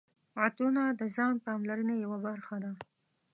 عطرونه د ځان پاملرنې یوه برخه ده.